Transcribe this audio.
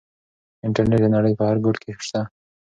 انټرنيټ د نړۍ په هر ګوټ کې شته.